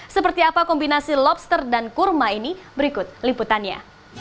seperti apa kombinasi lobster dan kurma ini berikut liputannya